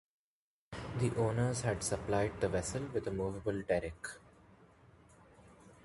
The owners had supplied the vessel with a movable derrick.